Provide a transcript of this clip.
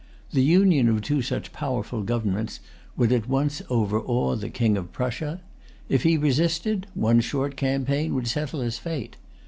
The union of two such powerful governments would at once overawe the King of Prussia. If he resisted, one short campaign would settle his fate.